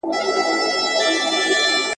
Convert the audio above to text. که رښتیا وي نو عزت نه کمیږي.